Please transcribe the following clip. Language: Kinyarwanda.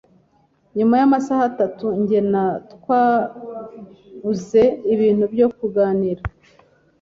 Nyuma yamasaha atatu, jye na twabuze ibintu byo kuganira.